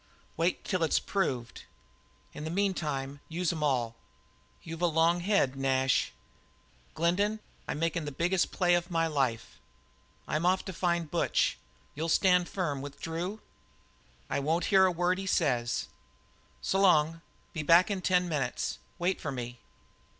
"Wait till it's proved. In the meantime use em all." "You've a long head, Nash." "Glendin, I'm makin' the biggest play of my life. I'm off to find Butch. You'll stand firm with Drew?" "I won't hear a word he says." "S'long! Be back in ten minutes. Wait for me."